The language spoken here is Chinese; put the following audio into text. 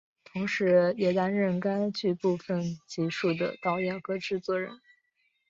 同时也担任该剧部分集数的导演和制作人。